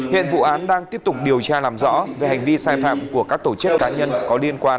hiện vụ án đang tiếp tục điều tra làm rõ về hành vi sai phạm của các tổ chức cá nhân có liên quan